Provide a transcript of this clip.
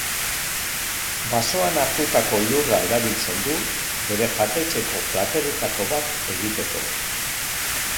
Basoan hartutako lurra erabiltzen du bere jatetxeko plateretako bat egiteko.